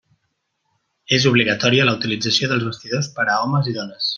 És obligatòria la utilització dels vestidors per a homes i dones.